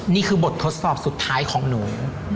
นี่คือบททดสอบสุดท้ายของหนู